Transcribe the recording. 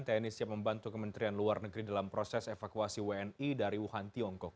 tni siap membantu kementerian luar negeri dalam proses evakuasi wni dari wuhan tiongkok